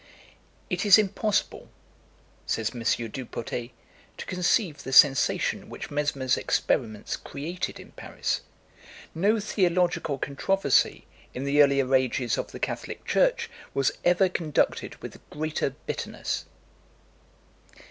"It is impossible," says M. Dupotet, "to conceive the sensation which Mesmer's experiments created in Paris. No theological controversy, in the earlier ages of the Catholic Church, was ever conducted with greater bitterness."